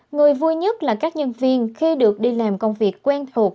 người vui nhất là các nhân viên khi được đi làm công việc quen thuộc